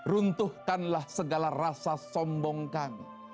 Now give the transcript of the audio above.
runtuhkanlah segala rasa sombong kami